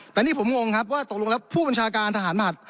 แต่นี่ผมงงครับว่าตกลงแล้วผู้บัญชาการทหารบัด